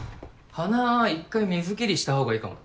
花１回水切りしたほうがいいかも。